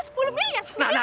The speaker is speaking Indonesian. sepuluh miliar sepuluh miliar